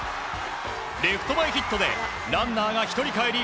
レフト前ヒットでランナーが１人かえり